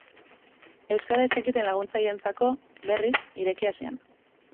Euskara ez zekiten laguntzaileentzako, berriz, irekia zen.